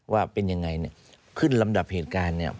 ว่าเป็นยังไงเนี่ยขึ้นลำดับเหตุการณ์เนี่ย